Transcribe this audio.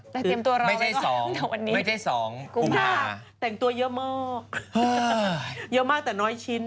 แต่เตรียมตัวรอไม่ใช่๒วันนี้ไม่ใช่๒กุมภาพแต่งตัวเยอะมากเยอะมากแต่น้อยชิ้น